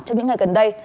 trong những ngày gần đây